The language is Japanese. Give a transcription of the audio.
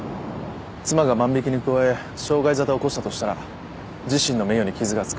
妻が万引に加え傷害沙汰を起こしたとしたら自身の名誉に傷がつく。